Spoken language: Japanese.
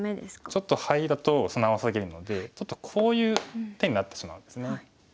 ちょっとハイだと素直すぎるのでこういう手になってしまうんですね。